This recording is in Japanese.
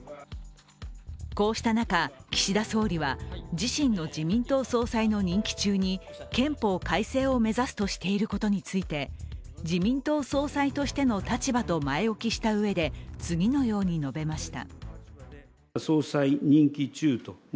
こうした中、岸田総理は自身の自民党総裁の任期中に憲法改正を目指すとしていることについて、自民党総裁としての立場と前置きしたうえで、次のように述べました。